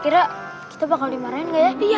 kira kira kita bakal dimarahin gak ya iya